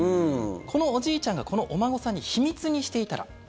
このおじいちゃんがこのお孫さんに秘密にしていたら。